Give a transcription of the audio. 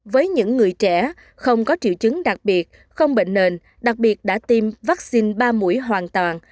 với những người trẻ không có triệu chứng đặc biệt không bệnh nền đặc biệt đã tiêm vaccine ba mũi hoàn toàn